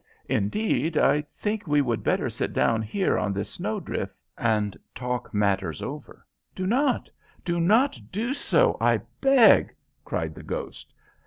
Indeed, I think we would better sit down here on this snowdrift, and talk matters over." "Do not! Do not do so, I beg!" cried the ghost.